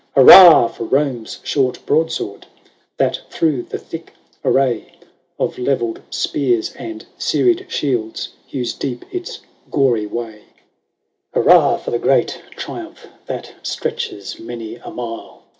Hurrah ! for Rome's short broadsword That through the thick array Of levelled spears and serried shields Hews deep its gory way. XXYII. " Hurrah ! for the great triumph That stretches many a mile.